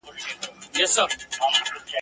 زلزلې نه ګوري پښتون او فارسي وان وطنه ..